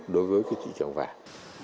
đối với thị trường vàng